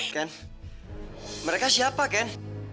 ken mereka siapa ken